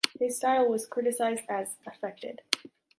His style was criticized as affected.